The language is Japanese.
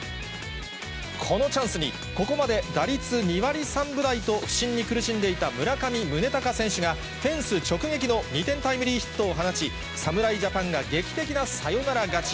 このチャンスに、ここまで打率２割３分台と不振に苦しんでいた村上宗隆選手がフェンス直撃の２点タイムリーヒットを放ち、侍ジャパンが劇的なサヨナラ勝ち。